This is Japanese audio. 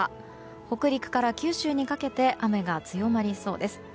北陸から九州にかけて雨が強まりそうです。